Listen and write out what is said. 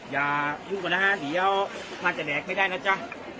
อย่ายุ่งก่อนนะฮะเดี๋ยวพลาดจะแหลกไม่ได้นะจ๊ะ